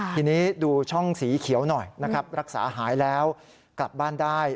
ทีนี้ดูช่องสีเขียวหน่อยนะครับรักษาหายแล้วกลับบ้านได้